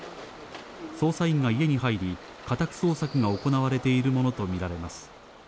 捜査員が家に入り、家宅捜索が行われているものと見られます。